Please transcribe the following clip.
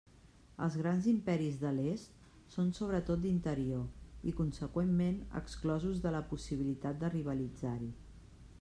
Els grans imperis de l'est són sobretot d'interior i conseqüentment exclosos de la possibilitat de rivalitzar-hi.